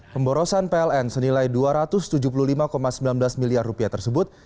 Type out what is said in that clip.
pemborosan pln senilai dua ratus tujuh puluh lima sembilan belas miliar tersebut